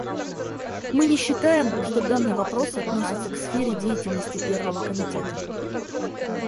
Мы не считаем, что данный вопрос относится к сфере деятельности Первого комитета.